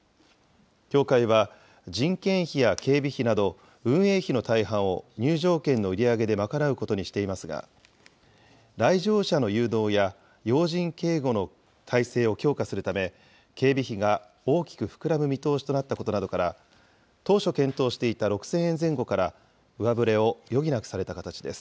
協会は人件費や警備費など、運営費の大半を入場券の売り上げで賄うことにしていますが、来場者の誘導や要人警護の態勢を強化するため、警備費が大きく膨らむ見通しとなったことなどから、当初検討していた６０００円前後から、上振れを余儀なくされた形です。